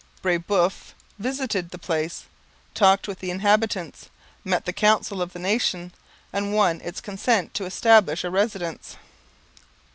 Brebeuf visited the place, talked with the inhabitants, met the council of the nation, and won its consent to establish a residence.